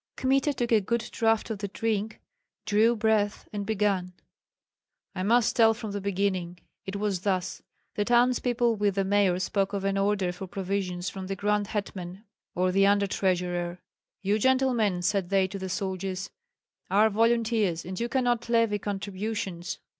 Kmita took a good draught of the drink, drew breath, and began, "I must tell from the beginning. It was thus: The townspeople with the mayor spoke of an order for provisions from the grand hetman or the under treasurer. 'You gentlemen,' said they to the soldiers, 'are volunteers, and you cannot levy contributions.